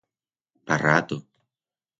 Pa rato!